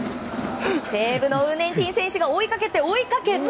西武のウー・ネンティン選手が追いかけて、追いかけて。